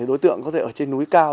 đối tượng có thể ở trên núi cao